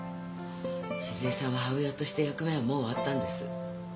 志寿江さんは母親として役目はもう終わったんです。